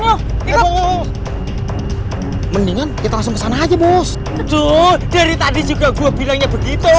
mendingan kita langsung sana aja bos tuh dari tadi juga gua bilangnya begitu